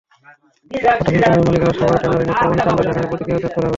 কথা ছিল, ট্যানারির মালিকেরা সাভারে ট্যানারি নিয়ে কোরবানির চামড়া সেখানে প্রক্রিয়াজাত করবেন।